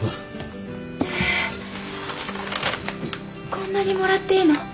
こんなにもらっていいの？